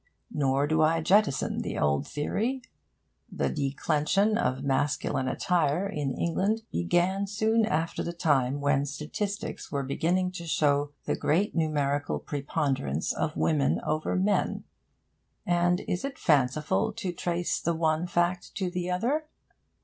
Nor do I jettison the old theory. The declension of masculine attire in England began soon after the time when statistics were beginning to show the great numerical preponderance of women over men; and is it fanciful to trace the one fact to the other?